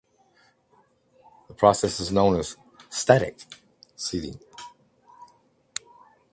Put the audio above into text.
This process is known as "static" seeding.